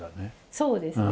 そうですね。